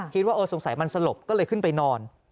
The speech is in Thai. คิดว่าเออสงสัยมันสลบก็เลยขึ้นไปนอน